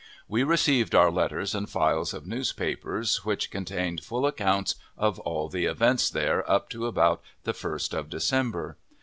We received our letters and files of newspapers, which contained full accounts of all the events there up to about the 1st of December.